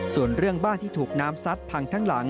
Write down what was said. ส่วนเรื่องบ้านที่ถูกน้ำซัดพังทั้งหลัง